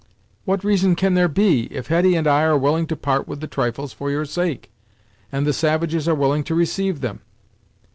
"What reason can there be, if Hetty and I are willing to part with the trifles for your sake, and the savages are willing to receive them?"